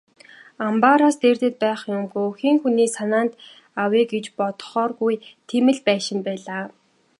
Амбаараас дээрдээд байх юмгүй, хэн хүний санаанд авъя гэж бодогдохооргүй тийм л байшин байлаа.